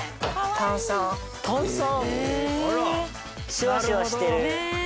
シュワシュワしてる。ねぇ！